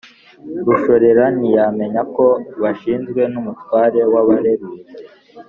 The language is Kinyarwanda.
rushorera ntiyamenya ko bashinzwe n'umutware w'abareruzi.